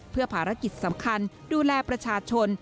เพื่อภารกิจสำคัญดูแลประชาชน